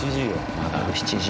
まだ７時。